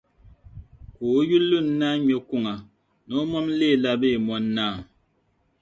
Ka o yili lun-naa ŋme kuŋa ni o mam leela Beemoni-naa.